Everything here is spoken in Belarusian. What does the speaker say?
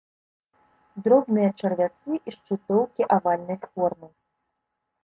Дробныя чарвяцы і шчытоўкі авальнай формы.